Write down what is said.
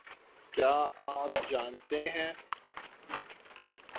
کیا آپ جانتے ہیں